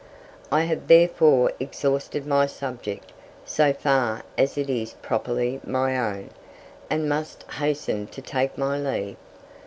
I have therefore exhausted my subject, so far as it is properly my own, and must hasten to take my leave.